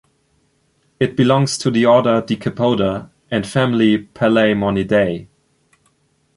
It belongs to the order Decapoda and family Palaemonidae.